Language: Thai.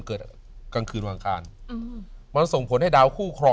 กลางคืนวันอังคาร